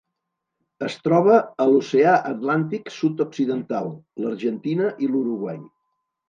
Es troba a l'Oceà Atlàntic sud-occidental: l'Argentina i l'Uruguai.